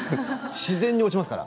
自然に落ちますから。